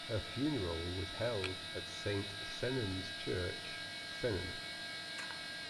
Her funeral was held at Saint Sennen's Church, Sennen.